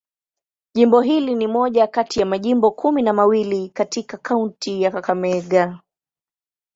Jimbo hili ni moja kati ya majimbo kumi na mawili katika kaunti ya Kakamega.